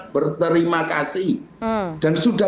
berterima kasih dan sudah